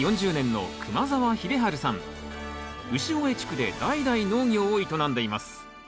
潮江地区で代々農業を営んでいます